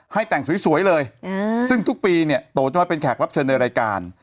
ให้แต่งสวยเลยซึ่งทุกปีเนี่ยโตจะมาเป็นแขกรับเชิญในรายการ